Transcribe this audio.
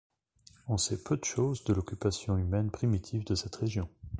On sait peu de choses de l’occupation humaine primitive de cette région.